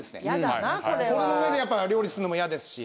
これの上で料理すんのも嫌ですし。